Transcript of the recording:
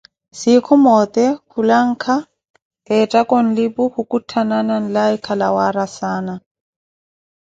Siku moote kulanka ettaka onlipu, khukutthanana nlaika la waara saana